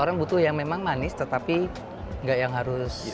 orang butuh yang memang manis tetapi nggak yang harus